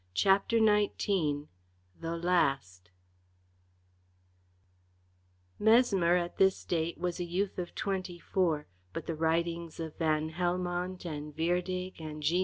CHAPTER XIX THE LAST Mesmer at this date was a youth of twenty four, but the writings of Van Helmont and Wirdig and G.